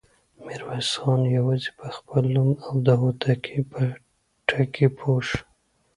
ميرويس خان يواځې په خپل نوم او د هوتکو په ټکي پوه شو.